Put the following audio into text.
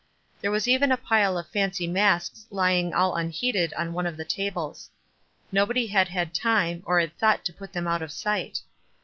There was even a pile of fancy masks lying all unheeded on one of the tables. Nobody had had time, or had thought to put them out of sight.